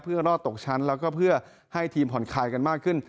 เพื่อรอดตกชั้นแล้วก็เพื่อให้ทีมผ่อนคลายกันมากขึ้น